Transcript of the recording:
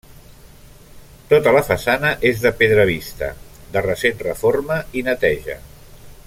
Tota la façana és de pedra vista de recent reforma i neteja.